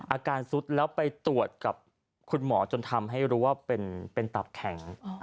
สุดแล้วไปตรวจกับคุณหมอจนทำให้รู้ว่าเป็นตับแข็ง